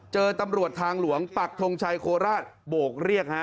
เจอตำรวจทางหลวงปักทงชัยโคราชโบกเรียกฮะ